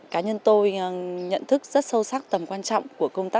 cá nhân tôi nhận thức rất sâu sắc tầm quan trọng của công tác